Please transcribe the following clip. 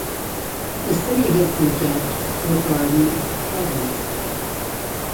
The city has been dubbed "The Garden of the Province".